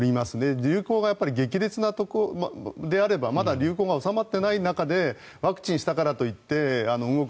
流行が激烈であればまだ流行が収まっていない中でワクチンしたからといって動く。